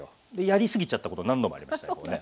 やりすぎちゃったこと何度もありましたけどね。